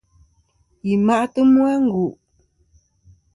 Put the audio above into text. Yi ma'tɨ mu a ngu'.